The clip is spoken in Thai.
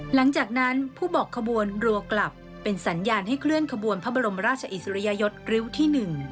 หลังจากนั้นผู้บอกขบวนรัวกลับเป็นสัญญาณให้เคลื่อนขบวนพระบรมราชอิสริยยศริ้วที่๑